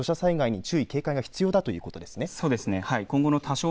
広い範囲で土砂災害に注意、警戒が必要ということですね。